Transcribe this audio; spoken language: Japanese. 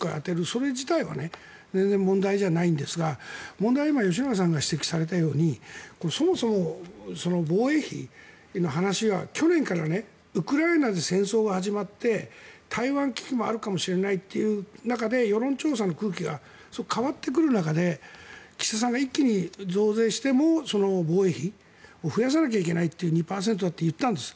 それ自体は全然問題じゃないんですが問題は今吉永さんが指摘されたようにそもそも防衛費の話が去年からウクライナで戦争が始まって台湾危機もあるかもしれないという中で世論調査の空気が変わってくる中で岸田さんが一気に増税して防衛費を増やさなきゃいけないという２％だって言ったんです。